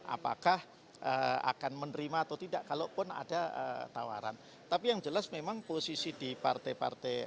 apakah akan menerima atau tidak kalaupun ada tawaran tapi yang jelas memang posisi di partai partai